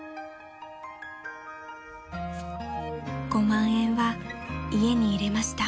［５万円は家に入れました］